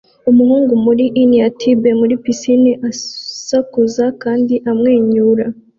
Umuhungu muri innertube muri pisine asakuza kandi amwenyura